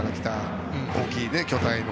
大きい巨体の。